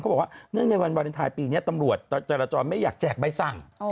บอกว่าเนื่องในวันวาเลนไทยปีนี้ตำรวจจราจรไม่อยากแจกใบสั่ง